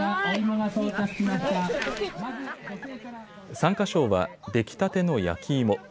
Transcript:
参加賞は出来たての焼き芋。